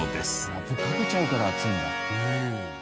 ラップかけちゃうから熱いんだ。